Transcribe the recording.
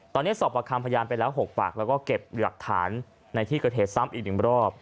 ตอนนี้สอบประคำพยานไปแล้ว๖ปากแล้วก็เก็บหลักฐานในที่เกิดเหตุซ้ำอีก๑รอบ